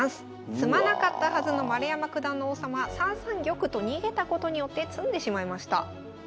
詰まなかったはずの丸山九段の王様３三玉と逃げたことによって詰んでしまいました。